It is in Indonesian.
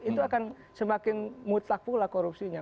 itu akan semakin mutlak pula korupsinya